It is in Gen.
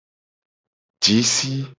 Ji si.